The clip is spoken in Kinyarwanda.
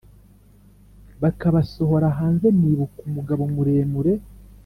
bakabasohora hanze, Nibuka umugabo muremure